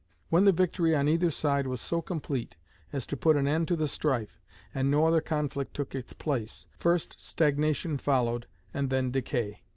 When the victory on either side was so complete as to put an end to the strife, and no other conflict took its place, first stagnation followed, and then decay.